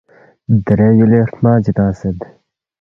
درے یُولی ہرمنگ چی تنگسید